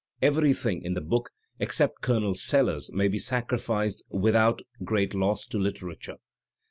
Everything in the book except Colonel Sellers may be sacrificed without great loss to literature.